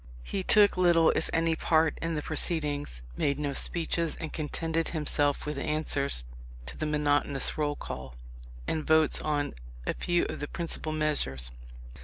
He took little if any part in the proceedings, made no speeches, and contented himself with answers to the monotonous roll call, and votes on a few of the principal measures.